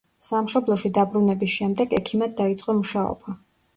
სამშობლოში დაბრუნების შემდეგ, ექიმად დაიწყო მუშაობა.